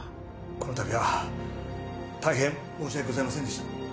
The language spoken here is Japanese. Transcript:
この度は大変申し訳ございませんでした。